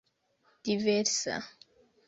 diversa